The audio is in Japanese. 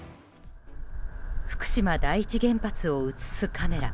福島第一原発を映すカメラ。